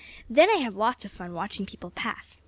Then I have lots of fun watching people pass.